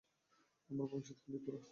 আমার ভবিষ্যত হলি তোরা।